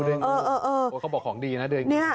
เขาบอกของดีนะเดยงงู